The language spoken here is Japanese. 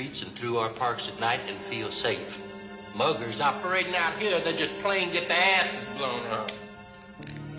はい！